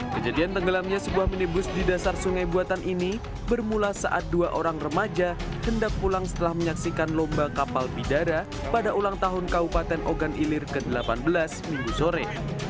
kejadian tenggelamnya sebuah minibus di dasar sungai buatan ini bermula saat dua orang remaja hendak pulang setelah menyaksikan lomba kapal bidara pada ulang tahun kabupaten ogan ilir ke delapan belas minggu sore